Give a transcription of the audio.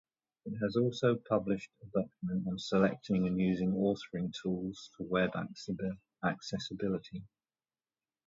It also published a document on Selecting and Using Authoring Tools for Web Accessibility.